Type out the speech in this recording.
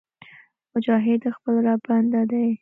مجاهد د خپل رب بنده دی